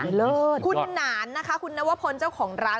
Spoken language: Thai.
คุณหนานนะคะคุณนวพลเจ้าของร้าน